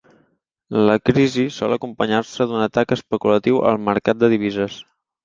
La crisi sol acompanyar-se d'un atac especulatiu al mercat de divises.